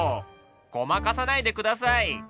ごまかさないで下さい。